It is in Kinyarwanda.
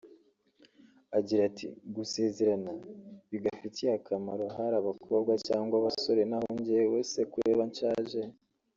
Agira ati “(gusezerana) bigafitiye (akamaro) ahari abakobwa cyangwa abasore naho njyewe se kureba nshaje